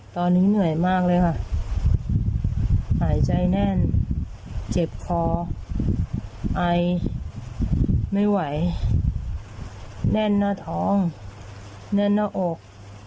ตอนนี้เหนื่อยมากเลยค่ะหายใจแน่นเจ็บคอไอไม่ไหวแน่นหน้าท้องแน่นหน้าอก